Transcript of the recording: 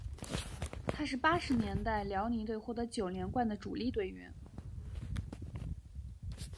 他是八十年代辽宁队获得九连冠的主力队员。